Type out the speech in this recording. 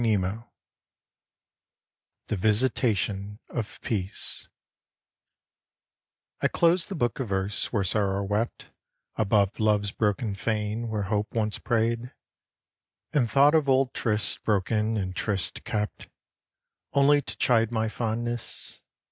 74 "the visitation of peace I CLOSED the book of verse where Sorrow wept Above Love's broken fane where Hope once prayed, And thought of old trysts broken and trysts kept Only to chide my fondness.